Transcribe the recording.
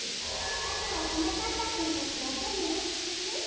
あとははなかっぱくんたちだけねウフッ。